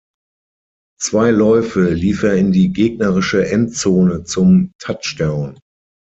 Zwei Läufe lief er in die gegnerische Endzone zum Touchdown.